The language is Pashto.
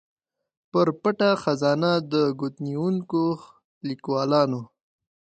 پر پټه خزانه د ګوتنیونکو ليکوالانو